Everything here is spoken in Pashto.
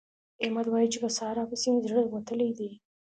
احمد وايي چې په سارا پسې مې زړه وتلی دی.